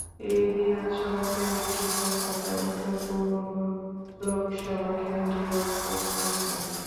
এই বিধানসভা কেন্দ্রটি কলকাতা উত্তর পূর্ব লোকসভা কেন্দ্রের অন্তর্গত ছিল।